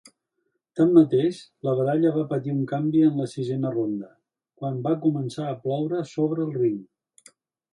Tanmateix, la baralla va patir un canvi en la sisena ronda, quan ca començar a ploure sobre el ring.